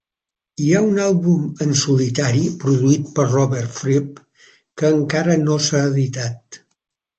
Hi ha un àlbum en solitari produït per Robert Fripp que en cara no s'ha editat.